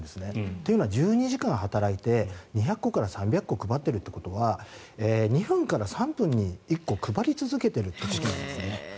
というのは１２時間働いて２００個から３００個配っているということは２分から３分に１個配り続けてるということです。